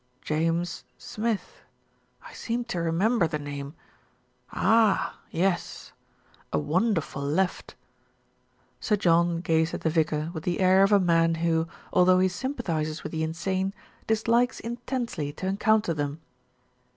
"James Smith, I seem to remem ber the name. Ah ! yes. A wonderful left." Sir John gazed at the vicar with the air of a man who, although he sympathises with the insane, dislikes intensely to encounter them.